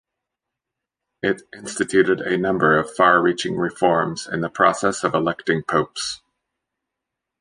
It instituted a number of far-reaching reforms in the process of electing popes.